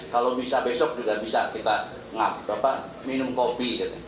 kalau bisa besok juga bisa kita minum kopi